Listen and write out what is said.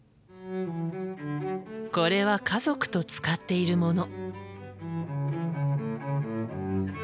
これは家族と使っているもの。